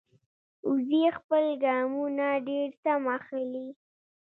وزې خپل ګامونه ډېر سم اخلي